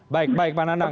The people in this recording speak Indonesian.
baik baik pak nanang